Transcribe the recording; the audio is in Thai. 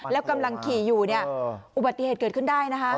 แล้วกำลังขี่อยู่เนี่ยอุบัติเหตุเกิดขึ้นได้นะคะ